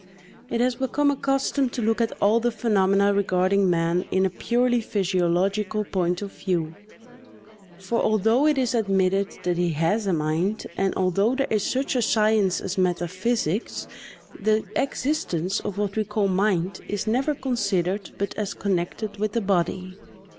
It has become a custom to look at all the phenomena regarding man in a purely physiological point of view; for although it is admitted that he has a mind, and although there is such a science as metaphysics, the existence of what we call mind is never considered but as connected with the body.